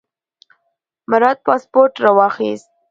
مراد پاسپورت راواخیست.